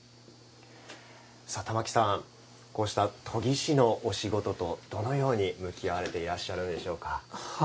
玉置さん、こうした研ぎ師のお仕事と、どのように向き合われていらっしゃるんでしょうか。